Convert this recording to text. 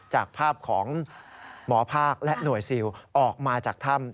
จากภาพของหมอภาคและหน่วยซิลออกมาจากถ้ำ